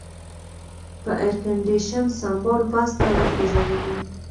په ایرکنډېشن سمبال بس ته وخېژولو.